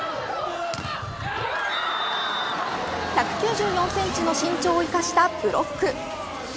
１９４センチの身長を生かしたブロック。